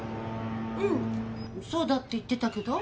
うんそうだって言ってたけど？